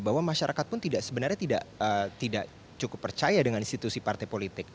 bahwa masyarakat pun sebenarnya tidak cukup percaya dengan institusi partai politik